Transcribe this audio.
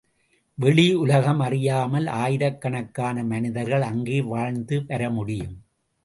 வெளியுலகம் அறியாமல் ஆயிரக்கணக்கான மனிதர்கள் அங்கே வாழ்ந்து வரமுடியும்.